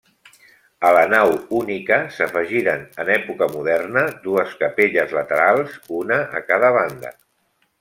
A la nau única s'afegiren en època moderna dues capelles laterals, una a cada banda.